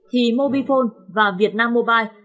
thì mobifone và vietnam mobile